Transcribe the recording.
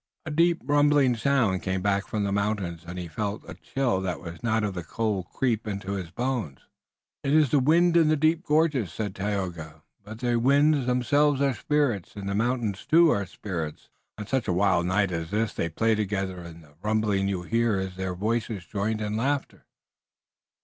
A deep rumbling sound came back from the mountains, and he felt a chill that was not of the cold creep into his bones. "It is the wind in the deep gorges," said Tayoga, "but the winds themselves are spirits and the mountains too are spirits. On such a wild night as this they play together and the rumbling you hear is their voices joined in laughter."